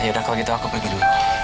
yaudah kalau gitu aku pergi dulu